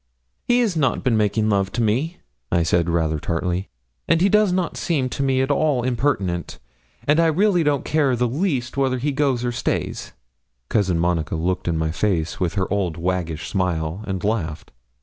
'He has not been making love to me,' I said rather tartly, 'and he does not seem to me at all impertinent, and I really don't care the least whether he goes or stays.' Cousin Monica looked in my face with her old waggish smile, and laughed.